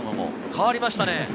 代わりましたね。